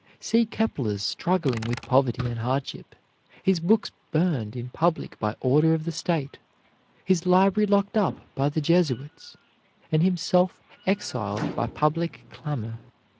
See Kepler struggling with poverty and hardship, his books burned in public by order of the state, his library locked up by the Jesuits, and himself exiled by public clamor.